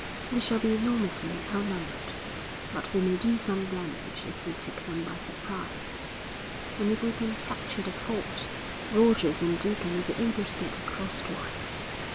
We shall be enormously outnumbered, but we may do some damage if we take them by surprise, and if we can capture the ford, Rogers and Deacon will be able to get across to us.